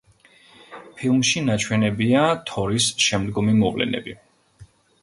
ფილმში ნაჩვენებია თორის შემდგომი მოვლენები.